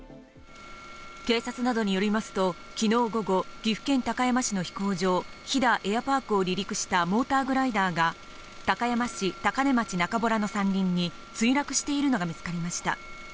警察などによりますと昨日午後、岐阜県高山市の飛行場・飛騨エアパークを離陸したモーターグライダーが高山市高根町中洞の山林に墜落しているのが見つかりました。